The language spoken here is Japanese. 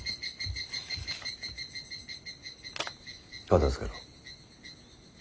片づけろ。